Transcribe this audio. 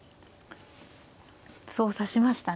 そう指しましたね。